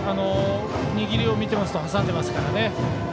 握りを見てますと挟んでますからね。